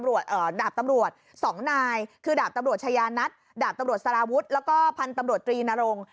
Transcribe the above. ดาบตำรวจสองนายคือดาบตำรวจชายานัทดาบตำรวจสารวุฒิแล้วก็พันธุ์ตำรวจตรีนรง